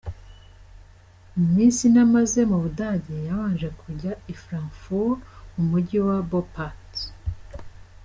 Mu minsi ine amaze mu Budage, yabanje kujya i Frankfurt mu Mujyi wa Boppat.